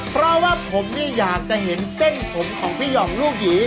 เพราะว่าผมเนี่ยอยากจะเห็นเส้นผมของพี่ห่องลูกหยี